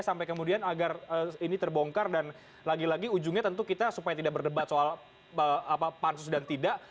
sampai kemudian agar ini terbongkar dan lagi lagi ujungnya tentu kita supaya tidak berdebat soal pansus dan tidak